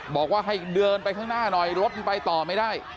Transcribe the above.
บอกว่าให้เดินไปข้างหน้าหน่อยรถยังไปต่อไม่ได้